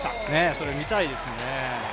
それ、見たいですね。